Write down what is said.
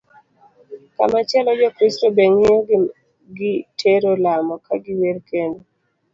Kamachielo, jokristo be ong'iyo gi tero lamo ka giwer kendo